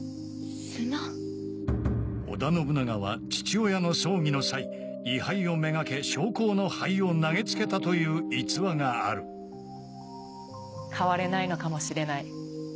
砂⁉織田信長は父親の葬儀の際位牌をめがけ焼香の灰を投げ付けたという逸話がある変われないのかもしれない。